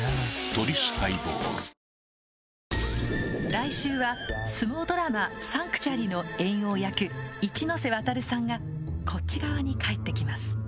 来週は相撲ドラマ「サンクチュアリ」の猿桜役一ノ瀬ワタルさんがこっち側に帰ってきます。